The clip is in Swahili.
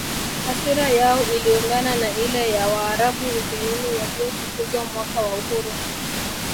Hasira yao iliungana na ile ya Waarabu ugenini waliofukuzwa mwaka wa uhuru